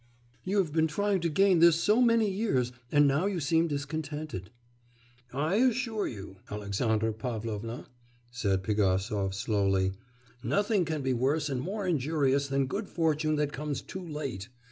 'You have been trying to gain this so many years, and now you seem discontented.' 'I assure you, Alexandra Pavlovna,' said Pigasov slowly, 'nothing can be worse and more injurious than good fortune that comes too late.